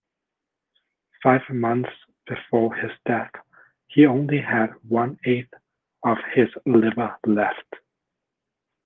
Five months before his death, he only had one eighth of his liver left.